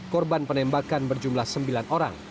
korban penembakan berjumlah sembilan orang